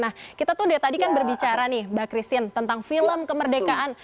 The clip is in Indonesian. nah kita tuh dari tadi kan berbicara nih mbak christine tentang film kemerdekaan